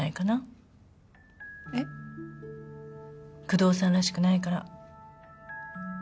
工藤さんらしくないから。